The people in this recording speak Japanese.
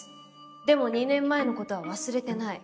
でも２年前の事は忘れてない。